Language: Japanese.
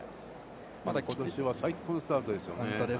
今年は最高のスタートですよね。